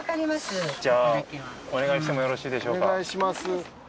じゃあお願いしてもよろしいでしょうか。